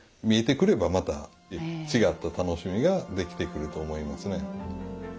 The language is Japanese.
見えてくればまた違った楽しみができてくると思いますね。